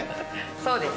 そうです